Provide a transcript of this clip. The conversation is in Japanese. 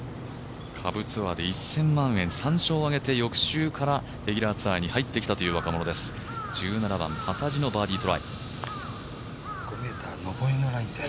下部ツアーで１０００万円、３勝を挙げて翌週からレギュラーツアーに入ってきたという若者です、幡地です。